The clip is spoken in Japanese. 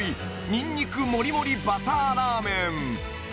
にんにくもりもりバターラーメン